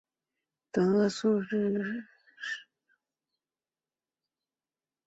短萼素馨是木犀科素馨属的植物。